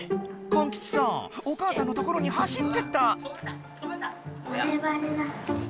歓吉さんお母さんのところに走ってった。